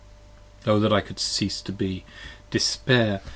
O that I could cease to be! Despair!